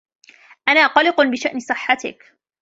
أنا قلق بشأن صحتك.